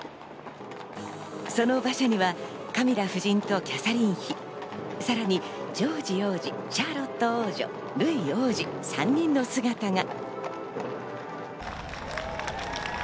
その馬車にはカミラ夫人とキャサリン妃、さらにジョージ王子、シャーロット王女、ルイ王子、３人の姿が。